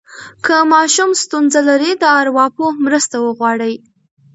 که ماشوم ستونزه لري، د ارواپوه مرسته وغواړئ.